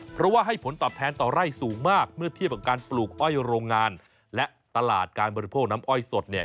เพราะว่าให้ผลตอบแทนต่อไร่สูงมากเมื่อเทียบกับการปลูกอ้อยโรงงานและตลาดการบริโภคน้ำอ้อยสดเนี่ย